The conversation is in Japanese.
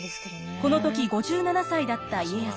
この時５７歳だった家康。